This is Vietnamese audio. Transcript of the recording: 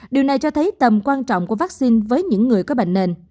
điều này cho thấy tầm quan trọng của vaccine với những người có bệnh nền